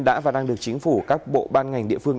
đã và đang được chính phủ các bộ ban ngành địa phương